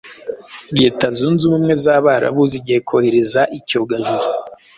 Leta Zunze Ubumwe z’Abarabu zigiye kohereza icyogajuru